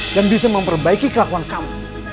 dan bisa memperbaiki kelakuanmu